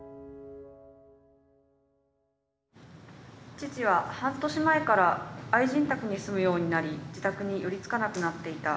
「父は半年前から愛人宅に住むようになり自宅に寄りつかなくなっていた。